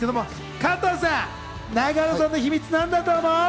加藤さん、永野さんの秘密、何だと思う？